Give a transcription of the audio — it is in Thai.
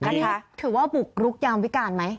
นี่ถือว่าบุกรุกเยาะมีการมั้ย